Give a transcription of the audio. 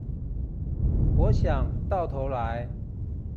我想，到頭來